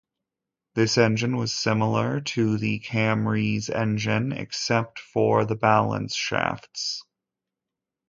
This engine was similar to the Camry's engine except for the balance shafts.